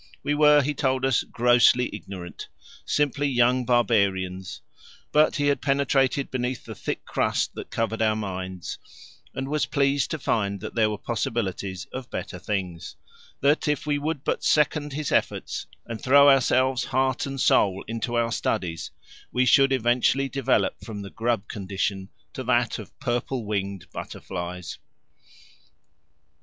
We were, he told us, grossly ignorant simply young barbarians; but he had penetrated beneath the thick crust that covered our minds, and was pleased to find that there were possibilities of better things; that if we would but second his efforts and throw ourselves, heart and soul, into our studies, we should eventually develop from the grub condition to that of purple winged butterflies.